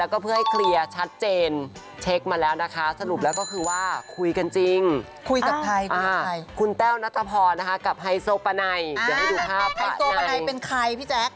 ใครโตปะไนเป็นใครพี่แจ็ก